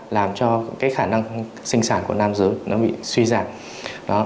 làm cho khả năng sinh sản của nam giới bị suy giảm